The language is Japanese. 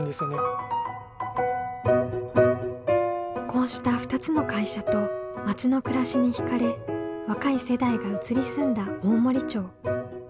こうした２つの会社と町の暮らしに惹かれ若い世代が移り住んだ大森町。